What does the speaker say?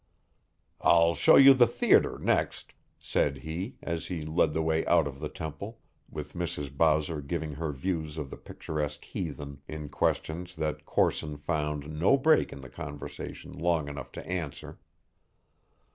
"I'll show you the theater next," said he, as he led the way out of the temple with Mrs. Bowser giving her views of the picturesque heathen in questions that Corson found no break in the conversation long enough to answer.